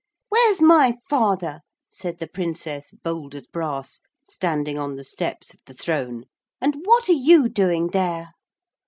'Where's my father?' said the Princess, bold as brass, standing on the steps of the throne. 'And what are you doing there?'